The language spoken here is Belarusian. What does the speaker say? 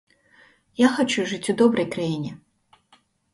Я хачу жыць у добрай краіне.